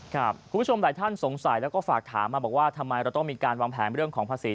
คุณผู้ชมหลายท่านสงสัยแล้วก็ฝากถามมาบอกว่าทำไมเราต้องมีการวางแผนเรื่องของภาษี